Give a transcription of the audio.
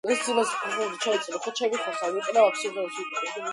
იქ მომავალმა პოეტმა შვიდი კლასი დაამთავრა.